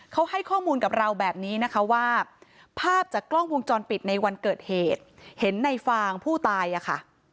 เขาให้ข้อมูลกับเราแบบนี้นะคะว่าภาพจากกล้องวงจรปิดในวันเกิดเหตุเห็นในฟางผู้ตายอะค่ะ